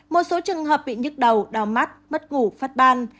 một số trường hợp bị nhức đầu đau mắt mất ngủ phát ban